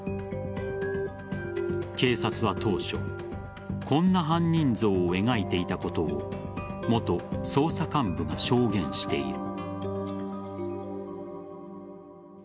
警察は当初こんな犯人像を描いていたことを元捜査幹部が証言している。